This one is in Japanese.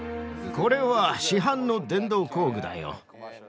これは市販の電動工具だよ。